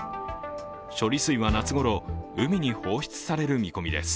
処理水は夏ごろ海に放出される見込みです。